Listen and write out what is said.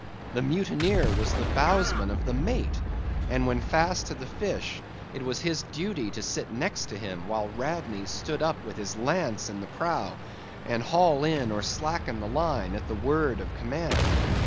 The mutineer was the bowsman of the mate, and when fast to a fish, it was his duty to sit next him, while Radney stood up with his lance in the prow, and haul in or slacken the line, at the word of command.